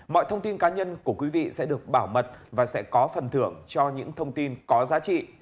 mọi thông tin cá nhân của quý vị sẽ được bảo mật và sẽ có phần thưởng cho những thông tin có giá trị